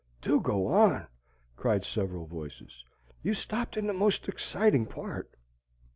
"Do go on!" cried several voices. "You stopped in the most exciting part."